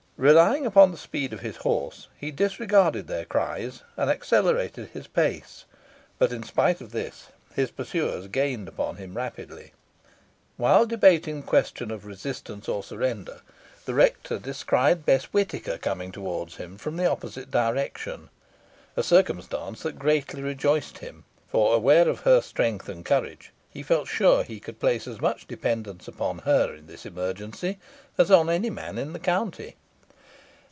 Relying upon the speed of his horse, he disregarded their cries, and accelerated his pace; but, in spite of this, his pursuers gained upon him rapidly. While debating the question of resistance or surrender, the rector descried Bess Whitaker coming towards him from the opposite direction a circumstance that greatly rejoiced him; for, aware of her strength and courage, he felt sure he could place as much dependence upon her in this emergency as on any man in the county.